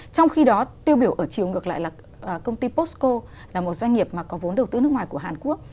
trong khi đó tiêu biểu ở chiều ngược lại là công ty posco là một doanh nghiệp mà có vốn đầu tư nước ngoài của hàn quốc